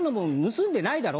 盗んでないだろ？